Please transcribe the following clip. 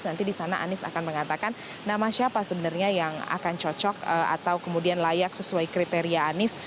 nanti di sana anies akan mengatakan nama siapa sebenarnya yang akan cocok atau kemudian layak sesuai kriteria anies